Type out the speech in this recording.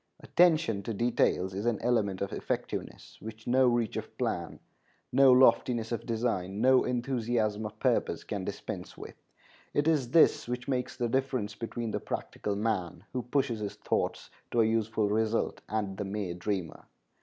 Attention to details is an element of effectiveness which no reach of plan, no loftiness of design, no enthusiasm of purpose can dispense with. It is this which makes the difference between the practical man, who pushes his thoughts to a useful result, and the mere dreamer.